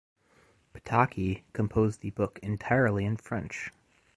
Potocki composed the book entirely in French.